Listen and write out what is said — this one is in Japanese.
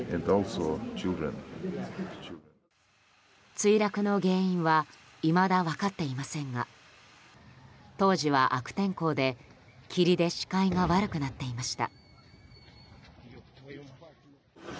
墜落の原因はいまだ分かっていませんが当時は悪天候で霧で視界が悪くなっていました。